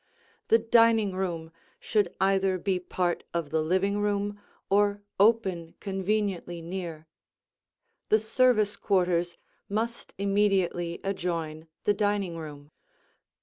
The dining room should either be part of the living room or open conveniently near. The service quarters must immediately adjoin the dining room.